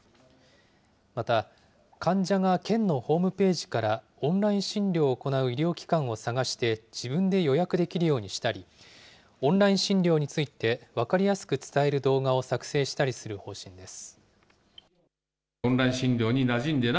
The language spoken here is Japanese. また、患者が県のホームページからオンライン診療を行う医療機関を探して、自分で予約できるようにしたり、オンライン診療について、分かりやすく伝える動画を作成したりする方針です。